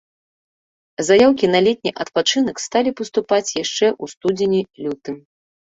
Заяўкі на летні адпачынак сталі паступаць яшчэ ў студзені-лютым.